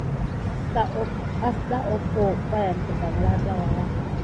Atane offó pay yanki temé kina sisayan.